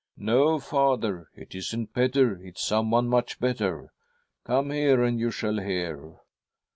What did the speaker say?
' No, father, it isn't Petter; it's someone much better. Come here and you shall hear.'